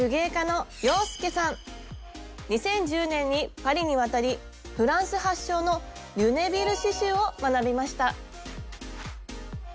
２０１０年にパリに渡りフランス発祥のリュネビル刺しゅうを学びました。